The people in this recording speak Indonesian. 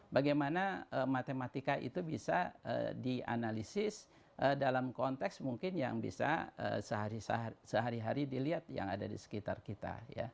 bagaimana matematika itu bisa dianalisis dalam konteks mungkin yang bisa sehari hari dilihat yang ada di sekitar kita